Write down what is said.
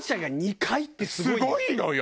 すごいのよ！